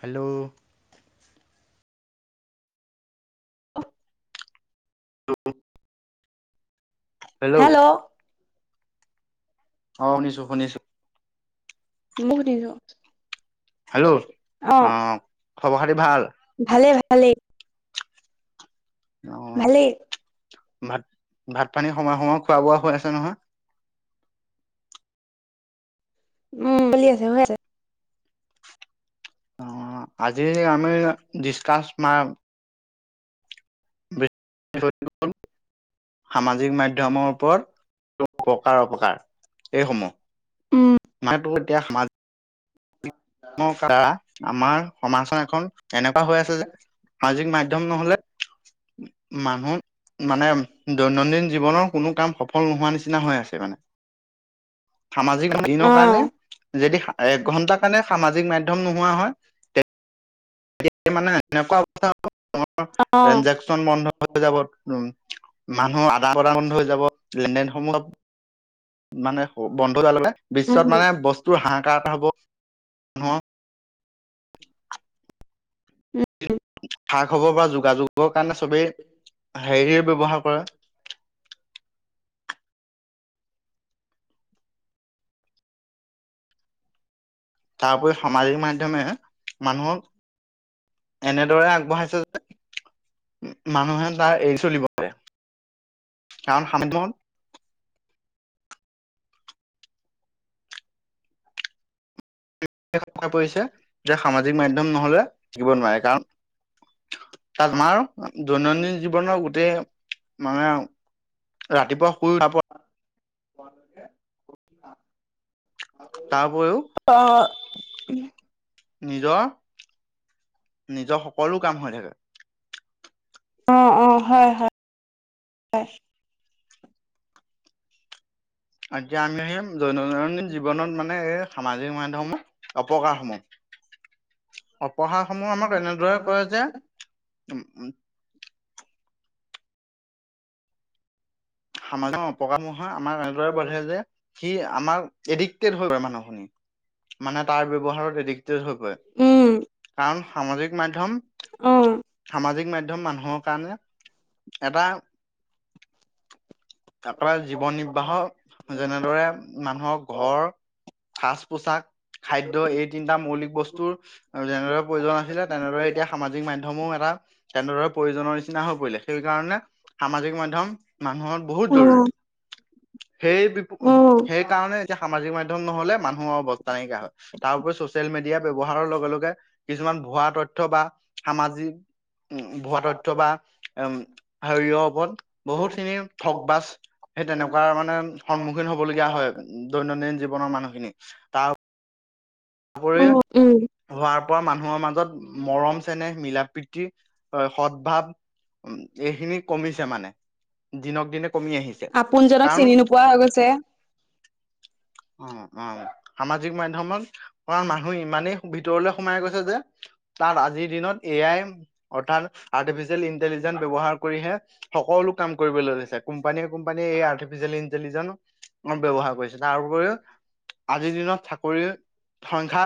Hello. Hello. Hello. অহ, শুনিছোঁ শুনিছোঁ। মইয়ো শুনিছোঁ। হেল্ল' অহ, খবৰ খাতি ভাল? ভালে, ভালেই। অহ, ভালেই ভাত-ভাত পানী সময়ে সময়ে খোৱা বোৱা হৈ আছে নহয়? উম চলি আছে হৈ আছে অ', আজি আমি ডিছকাছ [inaudible] সামাজিক মাধ্যমৰ ওপৰত উপকাৰ অপকাৰ এই উম সমহ মই তোৰ এতিয়া সমাজ দাৰা আমাৰ সমাজ এখন এনেকুৱা হৈ আছে যে সামাজিক মাধ্যম নহলে মানুহত মানে দৈনন্দিন জীৱনৰ কোনো কাম সফল নোহোৱা নিচিনা হৈ আছে মানে সামাজিক দিনৰ অ কাৰণে যদি একঘন্টাৰ কাৰণে সামাজিক মাধ্যম নোহোৱা হয় মানে অ একুৱােজেকন বন্ধ হৈ যাব উ মানুহৰ আদান প্ৰদান বন্ধ হৈ যাব লেন দেন সমূহত মানে বন্ধে বিশ্বত উম মানে বস্তু হাহাকাৰ এটা হব মানুহৰ সা খবৰ বা যোগাযোগৰ কাৰণে চবেই হেৰি ব্যৱহাৰ কৰে তাৰ উপৰি সামাজিক মাধ্যমে মানুহক এনেদৰে আগবঢ়াইছে যে মানুহে তাৰ এৰি চলিব। কাৰণ [unintelligible] হৈ পৰিছে যে সামাজিক মাধ্যম নহলে শিকিব নোৱাৰে কাৰণ তাত আমাৰ দৈনন্দিন জীৱনৰ গোটেই মানে ৰাতিপুৱা শুই [unintelligible] তাৰ উপৰিও অ নিজৰ নিজৰ সকলো কাম হৈ থাকে অ', অ', হয় হয় এতিয়া আমি সেই দৈননন্দিন জীৱনত মানে এই সামাজিক মাধ্যমৰ অপকাৰসমূহ। অপহাস সমূহ আমাক এনেদৰে কয় যে উ সাজ অপকহ হয় আমাক এনেদৰে বাধে যে সি আমাৰ এডিক্টেড হৈ পৰে মানুহ খিনি। মানে তাৰ ব্যৱহাৰত এডিক্টেড হৈ পৰে। উম কাৰণ সামাজিক মাধ্যয়ম অ সামাজিক মাধ্যম মানুহৰ কাৰণে এটা একেবাৰে জীৱন নিৰ্বাহ যেনেদৰে মানুহৰ ঘৰ সাজ পোছাক, খাদ্য এই তিনিটা মৌলিক বস্তুৰ আৰু যেনেদৰে প্ৰয়োজন আছিলে তেনেদৰে এতিয়া সামাজিক মাধ্যমো এটা তেনেদৰে প্ৰয়োজনৰ নিচিনা হৈ পৰিলে, সেইকাৰণে সামাজিক মাধ্যম মানুহৰ বহুত উম জৰুৰী। সেই বি উম সেইকাৰণে এতিয়া সামাজিক মাধ্যম নহ'লে মানুহৰ অবস্থা নাইকিয়া হয়। তাৰ উপৰি ছচিয়েল মিডিয়া ব্যৱহাৰৰ লগে লগে কিছুমান ভুৱা তথ্য বা সামাজিক উ ভুৱা তথ্য বা উম শৰীৰৰ ওপৰত বহুতখিনি থক বাচ সেই তেনেকুৱা মানে সন্মুখীন হবলগীয়া হয় দৈনন্দিন জীৱনৰ মানুহখিনি। তাৰ হ'ৰি উম উম হোৱাৰ পৰা মানুহৰ মাজত মৰম- চেনেহ মিলা- প্ৰীতি হয় সদভাৱ এইখিনি কমিছে মানে দিনক দিনে কমি আহিছে। আপোনজনক কাৰণ চিনি নোপোৱা হৈ গৈছে অ', অ', সামাজিক মাধ্যমত অমান মানুহ ইমানেই ভিতৰলে সোমাই গৈছে যে তাত আজিৰ দিনত এ আই অৰ্থাৎ আৰ্টিফিচিয়েল ইণ্টেলিজেঞ্চ ব্যৱহাৰ কৰিহে সকলো কাম কৰিবলৈ লৈছে, কোম্পানীয়ে কোম্পানীয়ে এই আৰ্টিফিচিয়েল ইণ্টেলিজেনঞ্চ ব্যৱহাৰ কৰিছে। তাৰ উপৰিও আজিৰ দিনত চাকৰি সংখ্য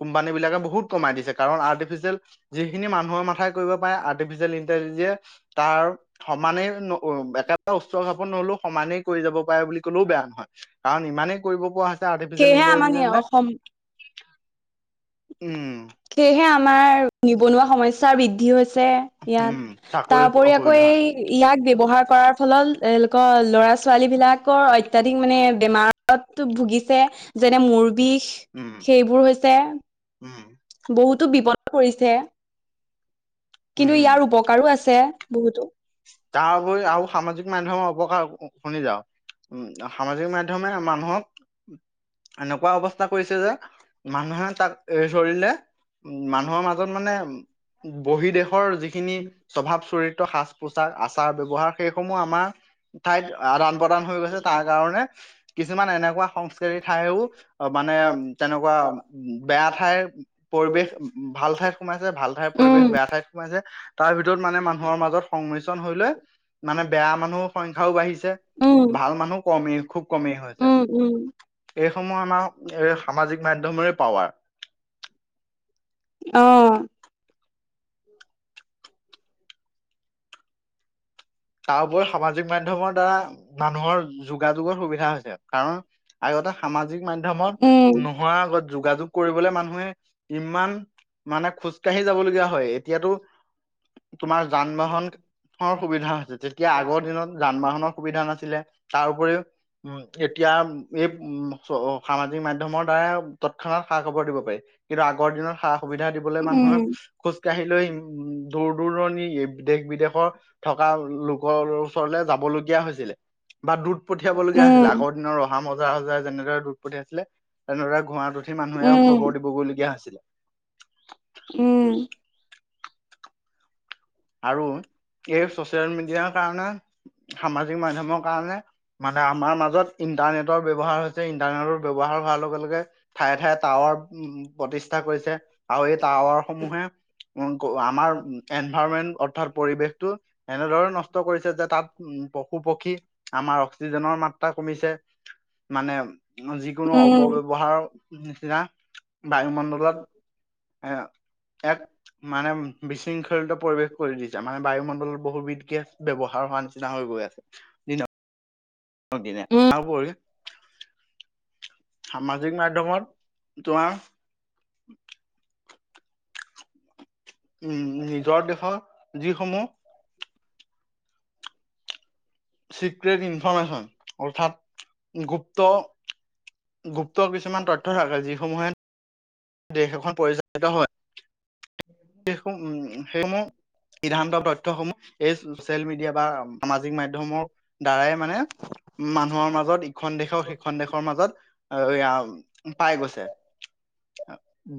কোম্পানী বিলাকে বহুত কমাই দিছে, কাৰণ আৰ্টিফিচিয়েল যিখিনি মানুহৰ মথাই কৰিব পাৰে আৰ্টিফিচিয়েল ইন যে তাৰ সমানেই একেবাৰে উচ্চ খাপৰ নহলেও সমানেই কৰি যাব পাৰে বুলি কলেও বেয়া নহয়, কাৰণ ইমানেই কৰিব পৰা হৈছে আৰ্টিফিচিয়েল সেয়েহে আমাৰ ইন্টেলিজেঞ্চে অসম উম সেয়েহে আমাৰ নিবনুৱা সমস্যা বৃদ্ধি হৈছে ইয়াত, উম চাকৰি তাৰ উপৰি আকৌ অসুবিধা হয়। এই ইয়াক ব্যৱহাৰ কৰাৰ ফলত এলোকৰ ল'ৰা ছোৱালী বিলাকৰ অত্যধিক মানে বেমাৰ ভুগিছে, যেনে মুৰ বিষ উম সেইবোৰ হৈছে উম বহুতো বিপদ পৰিছে, কিন্তু উম ইয়াৰ উপকাৰো আছে বহুতো। তাৰ উপৰি আৰু সামাজিক মাধ্যমৰ অপকাৰ শুনি যাওঁ উ সামাজিক মাধ্যমে মানুহক এনেকুৱা অৱস্থা কৰিছে যে, মানুহে তাক এই চৰিলে উ মানুহৰ মাজত মানে বহি দেশ যিখিনি স্বভাৱ চৰিত্ৰ সাজ পোছাক আচাৰ ব্যৱহাৰ সেইসমূহ আমাৰ ঠাইত আদান প্ৰদান হৈ গৈছে, তাৰ কাৰণে কিছুমান এনেকুৱা সংস্কৃতিৰ ঠাইও মানে তেনেকুৱা বেয়া ঠাই পৰিৱেশ ভাল ঠাইত সোমাইছে ভাল ঠাইৰ উম, পৰিৱেশ বেয়া ঠাইত সোমাইছে তাৰ ভিতৰত মানে মানুহৰ মাজত সংমিশ্ৰণ হৈ লৈ মানে বেয়া মানুহৰ সংখ্যাও বাঢ়িছে। উম, ভাল মানুহ কমেই খুব কমেই হৈছে উম, উম, এইসমূহ আমাৰ এই সামাজিক মাধ্যমৰে পাৱাৰ অ' তাৰ উপৰি সামাজিক মাধ্যমৰ দ্বাৰা মানুহৰ যোগাযোগৰ সুবিধা হৈছে কাৰণ আগতে সামাজিক মাধ্যমত উম, নোহোৱাৰ আগত যোগাযোগ কৰিবলে মানুহে ইমান মানে খোজকাঢ়ি যাবলগীয়া হয় এতিয়াতো তোমাৰ যান বাহনৰ সুবিধা হৈছে তেতিয়া আগৰ দিনত যান বাহনৰ সুবিধা নাছিলে তাৰ উপৰিও উম এতিয়া এই উম সামাজিক মাধ্যমৰ দ্বাৰা তৎক্ষণাত খা খবৰ দিব পাৰি। কিন্তু আগৰ দিনত সা সুবিধা দিবলৈ মানুহে উম, খোজ কাঢ়ি লৈ উ দূৰ দূৰণি দেশ বিদেশৰ থকা লোক ওচৰলৈ যাব লগীয়া হৈছিলে বা দুত পঠিয়াব লগীয়া হৈছিলে উম, আগৰ দিনৰ ৰ মজা সজাই যেনেদৰে দুধ পঠাই আছিলে তেনেদৰে ঘোঁৰাত উঠি মানুহে উম, খবৰ দিবগৈলগীয়া হৈছিলে উম আৰু এই চচিয়েল মিডিয়াৰ কাৰণে সামাজিক মাধ্যমৰ কাৰণে মানে আমাৰ মাজত ইন্টাৰনেটৰ ব্যৱহাৰ হৈছে ইণ্টাৰনেটৰ ব্যৱহাৰ হোৱাৰ লগে লগে ঠায়ে ঠায়ে টাৱাৰ প্ৰতিষ্ঠা কৰিছে আৰু এই টাৱাৰ সমূহে উ আমাৰ অৰ্থাৎ পৰিবেশটো এনেদৰে নষ্ট কৰিছে যে তাত উম পশু পক্ষী আমাৰ অক্সিজেনৰ মাত্ৰা কমিছে মানে যিকোনো উম, অপব্যৱহাৰৰ নিচিনা বায়ুমণ্ডলত এ এক মানে বিশৃংখল পৰিৱেশ কৰি দিছে মানে বায়ুমণ্ডলত বহুবিধ গেছ ব্যৱহাৰ হোৱাৰ নিচিনা হৈ গৈ আছে। অ', দিনে উম, তাৰ উপৰি সামাজিক মাধ্যমত তোমাৰ উম নিজৰ দেশৰ যিসমূহ চিক্ৰেট ইনফৰ্মেশ্যন অৰ্থাৎ গুপ্ত গুপ্ত কিছুমান তথ্য থাকে যিসমূহে দেশ এখন পৰিচালিত হয় সেইসমূহ সিদ্ধান্ত তথ্যসমূহ এই চচিয়েল মিডিয়া বা সামাজিক মাধ্যমৰ দ্বাৰাই মানে মানুহৰ মাজত ইখন দেশৰ সিখন দেশৰ মাজত এ, পাই গৈছে।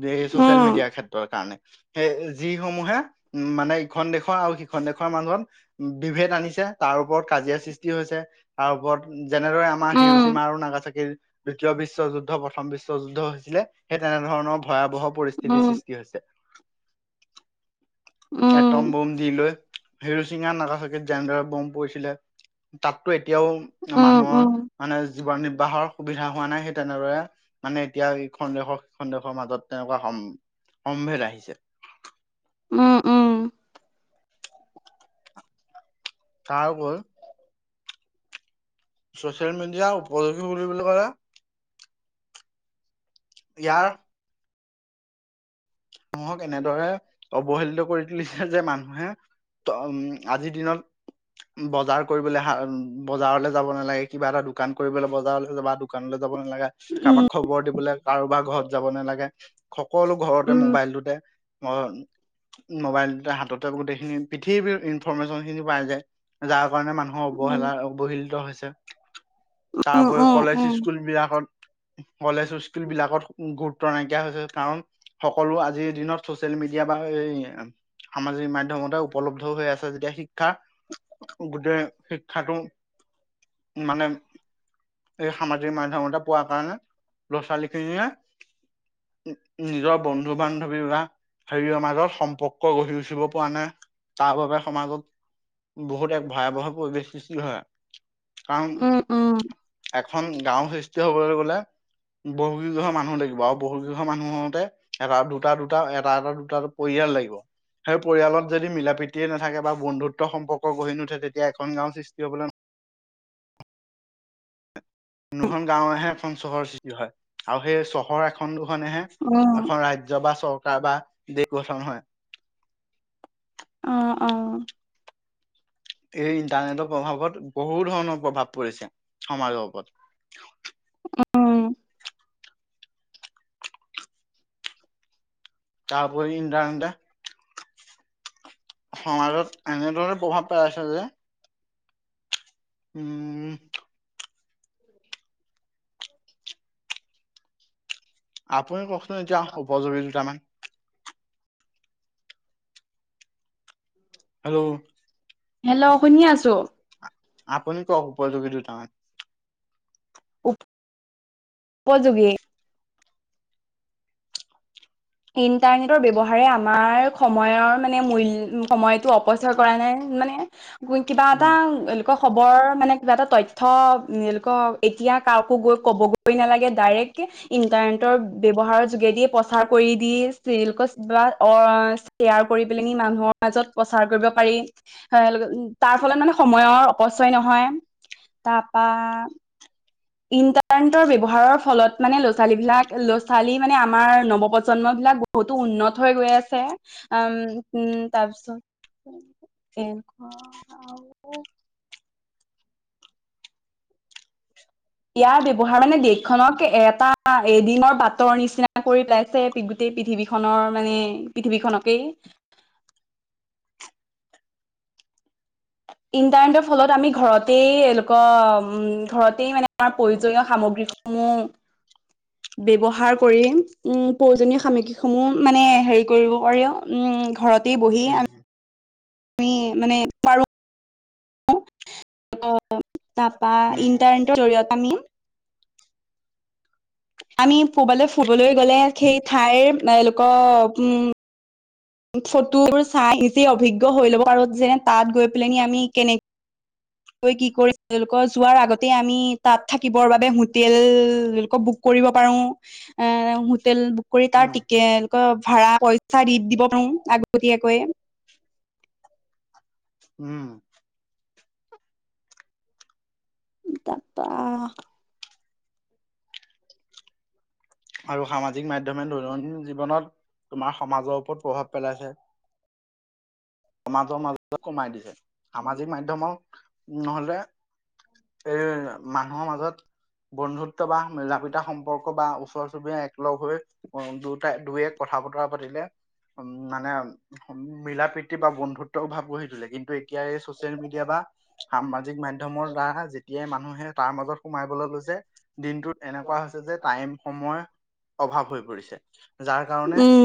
এই চচিয়েল উম, মিডিয়াৰ ক্ষেত্ৰৰ কাৰণে, সেই যিসমূহে উ, মানে খন দেশৰ আৰু সিখন দেশৰ মানুহত বিভেদ আনিছে তাৰ ওপৰত কাজিয়া সৃষ্টি হৈছে। তাৰ ওপৰত যেনেদৰে আমাৰ উম, হিৰোচিমা আৰু নাগাচাকিৰ। দ্বিতীয় বিশ্বযুদ্ধ, প্ৰথম বিশ্বযুদ্ধ হৈছিলে সেই তেনেধৰণৰ ভয়াৱহ পৰিস্থিতিৰ উম, সৃষ্টি টি হৈছে। এটম উম, ব'ম দি লৈ হিৰোচিমা, নাগাচাকীত যেনেদৰে ব'ম পৰিছিলে, তাততো এতিয়াও উম, মানুহৰ উম। মানে জীৱন নিৰ্বাহৰ সুবিধা হোৱা নাই সেই তেনেদৰে মানে এতিয়া এইখন দেশৰ সিখন দেশৰ মাজত তেনেকুৱা সম-সম্ভেদ আহিছে। উম, উম। তাৰোপৰি চচিয়েল মিডিয়া উপযোগী বুলি বুলি ক'লে ইয়াৰ মানুহক এনেদৰে অৱহেলিত কৰি তুলিছে যে মানুহে তম আজিৰ দিনত বজাৰ কৰিবলৈ হা, বজাৰলে যাব নালাগে। কিবা এটা দোকান কৰিবলৈ বজাৰলৈ যাবা দোকানলৈ যাব নালাগে, কাবাক খবৰ দিবলে কাৰোবাৰ ঘৰত যাব নালাগে, সকলো ঘৰত উম উম লোটে ম-ম'বাইল দুটা হাতত গোটেইখিনি পৃথিৱীৰ ইনফৰমেশ্যনখিনি পাই যায় যাৰ কাৰণে মানুহৰ অৱহেলা অৱহিলিত হৈছে। তাৰ উম উপৰি উম কলেজ, উম স্কুলবিলাকত কলেজ, স্কুলবিলাকত গুৰুত্ব নাইকিয়া হৈছে কাৰণ সকলো আজিৰ দিনত চচিয়েল মিডিয়া বা এ, এই সামাজিক মাধ্যমতে উপলব্ধ হৈ আছে যেতিয়া শিক্ষা গোটেই শিক্ষাটো মানে এই সামাজিক মাধ্যমতে পোৱা কাৰণে ল'ৰা ছোৱালীখিনিয়ে নিজৰ বন্ধু বান্ধৱী বা হেৰিৰ মাজত সম্পৰ্ক গঢ়ি উঠিব পৰা নাই। তাৰ বাবে সমাজত বহুত এক ভয়াৱহ পৰিৱেশ সৃষ্টি হয়। কাৰণ উম উম এখন গাঁও টি হবলৈ গ'লে বহুকেইঘৰ মানুহ লাগিব আৰু বহুকেইঘৰ মানুহ হওতে এটা দুটা, দুটা এটা, এটা দুটা পৰিয়াল লাগিব, সেই পৰিয়ালত যদি মিলা প্ৰীতিয়ে না থাকে বা বন্ধুত্ব সম্পৰ্ক গঢ়ি নোঠে তেতিয়া এখন গাঁও সৃষ্টি হ'বলে দুখন গাঁৱেহে এখন চহৰ সৃষ্টি হয় আৰু সেই চহৰ এখন দুখনেহে উম এখন ৰাজ্য বা চৰকাৰ বা দেশ গঠন হয়। অ', অ'। এই ইণ্টাৰনেটৰ প্ৰভাৱত বহু ধৰণৰ প্ৰভাৱ পৰিছে সমাজৰ ওপৰত। উম। তাৰোপৰি ইণ্টাৰনেটে সমাজত এনেধৰে প্ৰভাৱ পেলাইছে যে উম [inaudible] আপুনি ক'কচোন এতিয়া উপযোগী দুটা মান। হেল্ল' হেল্ল' শুনি আছোঁ। আপনি ক'ক উপযোগী দুটা মান? উপ-উপযোগী। ইণ্টাৰনেটৰ ব্যৱহাৰে আমাৰ সময়ৰ মানে মূল্য সময়টো অপ কৰা নাই, মানে কিবা উম, এটা এ ক খবৰ মানে কিবা এটা তথ্য এলোকৰ এতিয়া কাকো গৈ ক'বগৈ নালাগে ডাইৰেক্টকে ইণ্টাৰনেটৰ ব্যৱহাৰৰ যোগেদিয়ে প্ৰচাৰ কৰি দি চিৰিয়েলক কিব অ' শ্বেয়াৰ কৰি পেলেনি মানুহৰ মাজত প্ৰচাৰ কৰিব পাৰি। উ তাৰ ফলত মানে সময়ৰ অপচয় নহয় তাৰপা। ইণ্টাৰনেটৰ ব্যৱহাৰৰ ফলত মানে ল'ৰাোৱালী বিলাক ল'ৰা ছোৱালী মানে আমাৰ নৱপ্ৰজন্ম বিলাক। বহুতো উন্নত হৈ গৈ আছে উম উম তাৰপিছত। এনখন। আৰু ইয়াৰ ব্যৱহাৰ মানে দেশখনক এটা এদিনৰ বাতৰৰ নিচিনা কৰি পেলাইছে। গোটেই পৃথিৱীখনৰ মানে পৃথিৱীখননকেই। ইণ্টাৰনেটৰ ফলত আমি ঘৰতেই এলুৱা ঘৰতেই মানে আমাৰ প্ৰয়োজনীয় সামগ্ৰীসমূহ। [unintelligible] ব্যৱহাৰ কৰি উ প্ৰয়োজনীয় সামগ্ৰীসমূহ মানে হেৰি কৰিব পাৰি উ ঘৰত। বহি উম, আমি। তুমি মানে পাৰ। অ' তাৰাপা উম, ইণ্টাৰনেটৰ জৰিয়তে আমি। আমি কবালৈ ফুৰিবলৈ গলে সেই ঠাইৰ এও লোকৰ উম। ফটো চাই নিজেই অভিজ্ঞ হৈ ল'ব আৰু যেনে তাত গৈ পেল নি আমি কেনেক। [unintelligible] কি কৰি তেওঁলোক যোৱাৰ আগতে আমি তাত থাকিবৰ বাবে হোটেলোক বুক। কৰিব পাৰো এ হোটেল। কৰি উম, তাৰ টিকেট এনেকুৱা ভাড়া পইচা দি দিব পাৰো আগতীয়াকৈ। উম। তাৰ পা আৰু সামাজিক মাধ্যমে দৈনন্দিন জীৱনত তোমাৰ সমাজৰ ওপৰত প্ৰভাৱ পেলাইছে। সমাজৰ মাজত কমাই দিছে। সামাজিক মাধ্যমত নহলে, এ মানুহৰ মাজত, বন্ধুত্ব বা জাপিতা সম্পৰ্ক বা ওচৰ চুবুৰীয়া একলগ হৈ, দুটাই দুয়ে কথা বতৰা পাতিলে উম, মানে মিলা প্ৰীতি বা বন্ধুত্বও ভাৱ গঢ়ি তোলে। কিন্তু, তেতিয়াই এই চচিয়েল মিডিয়া বা সামাজিক মাধ্যমত দ্বাৰা যেতিয়াই মানুহে তাৰ মাজত, সোমাইবলৈ লৈছে। দিনটোত এনেকুৱা হৈছে যে টাইম সময় অভাৱ হৈ পৰিছে। যাৰ কাৰণে, উম